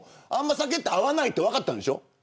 酒が合わないって分かったんでしょ。